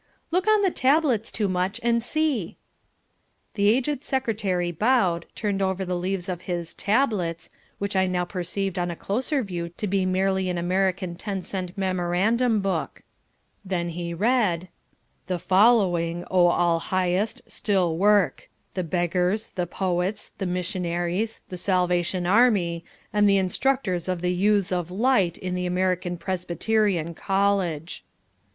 "Look on the tablets, Toomuch, and see." The aged Secretary bowed, turned over the leaves of his "tablets," which I now perceived on a closer view to be merely an American ten cent memorandum book. Then he read: "The following, O all highest, still work the beggars, the poets, the missionaries, the Salvation Army, and the instructors of the Youths of Light in the American Presbyterian College."